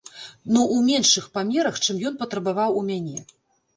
Ну ў меншых памерах, чым ён патрабаваў у мяне.